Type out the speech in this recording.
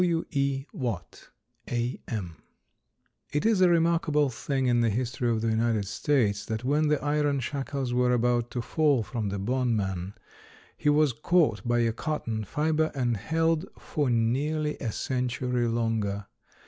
W. E. WATT, A.M. It is a remarkable thing in the history of the United States that, when the iron shackles were about to fall from the bondman, he was caught by a cotton fiber and held for nearly a century longer.